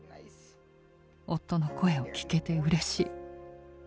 夫の声を聞けてうれしい。